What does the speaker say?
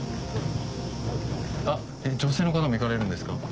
女性の方も行かれるんですか？